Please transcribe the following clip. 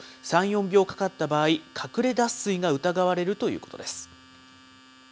３、４秒かかった場合、かくれ脱水が疑われるということです。